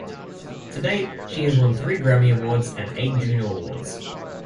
To date, she has won three Grammy Awards and eight Juno Awards.